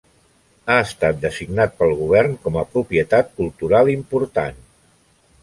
Ha estat designat pel govern com a propietat cultural important.